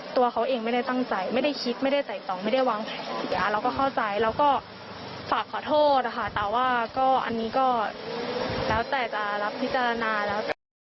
ตัวเขาเองไม่ได้ตั้งใจไม่ได้คิดไม่ได้ไต่ตองไม่ได้วางแผนเราก็เข้าใจเราก็ฝากขอโทษนะคะแต่ว่าก็อันนี้ก็แล้วแต่จะรับพิจารณาแล้วกัน